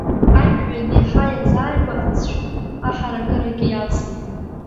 Ажәҩан иаҳа иазааигәахазшәа, аҳаракырагьы иацлеит.